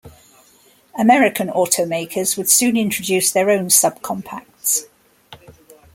American automakers would soon introduce their own subcompacts.